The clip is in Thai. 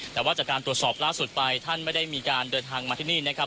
แต่ว่าจากการตรวจสอบล่าสุดไปท่านไม่ได้มีการเดินทางมาที่นี่นะครับ